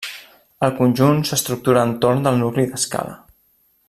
El conjunt s'estructura entorn del nucli d'escala.